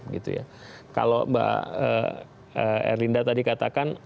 kalau mbak erlinda tadi katakan